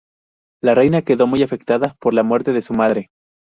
La Reina quedó muy afectada por la muerte de su madre.